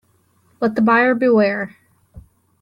Let the buyer beware.